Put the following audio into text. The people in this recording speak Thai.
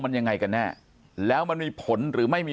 ปากกับภาคภูมิ